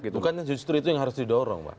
bukannya justru itu yang harus didorong pak